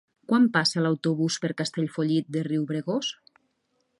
Quan passa l'autobús per Castellfollit de Riubregós?